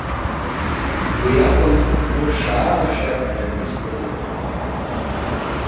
Уи акәым, гәыԥшаарашәа ианисуагьы ҟалоит.